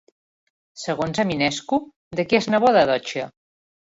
Segons Eminescu, de qui és neboda Dochia?